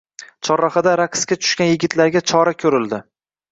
Chorrahada raqc tushgan yigitlarga chora ko‘rildi